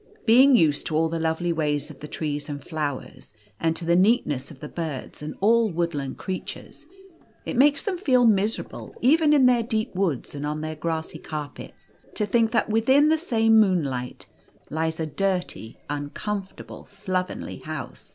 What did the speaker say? Being used to all the lovely ways of the trees and flowers, and to the neatness of the birds and all woodland creatures, it makes them feel miserable, i 78 The Golden Key even iu their deep woods and on their grassy carpets, to think that within the same moonlight lies a dirt v, ~ v ' uncomfortable, slovenly house.